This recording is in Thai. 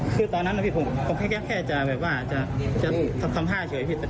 คือตอนนั้นครั้งกี้แค่จะแบบว่าจะทำตามห้ายเชือยผิด